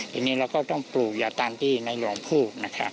ทีนี้เราก็ต้องปลูกอย่าตามที่ในหลวงพูดนะครับ